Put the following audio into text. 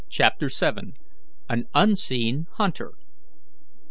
CHAPTER VII. AN UNSEEN HUNTER.